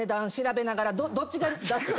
どっちが出すか。